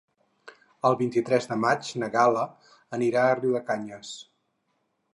El vint-i-tres de maig na Gal·la anirà a Riudecanyes.